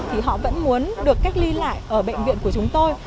thì họ vẫn muốn được cách ly lại ở bệnh viện của chúng tôi